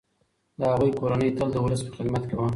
د هغوی کورنۍ تل د ولس په خدمت کي وه.